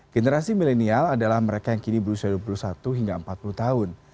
generasi milenial adalah mereka yang kini berusia dua puluh satu hingga empat puluh tahun